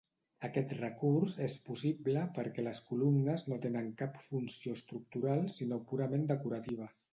Aquest recurs és possible perquè les columnes no tenen cap funció estructural sinó purament decorativa.